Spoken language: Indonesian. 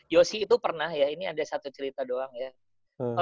yosi itu pernah ya ini ada satu cerita doang ya